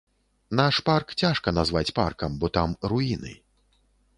Наш парк цяжка назваць паркам, бо там руіны.